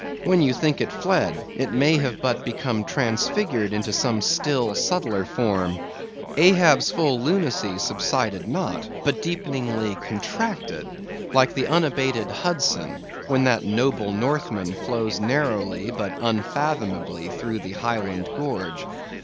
When you think it fled, it may have but become transfigured into some still subtler form. Ahab's full lunacy subsided not, but deepeningly contracted; like the unabated Hudson, when that noble Northman flows narrowly, but unfathomably through the Highland gorge.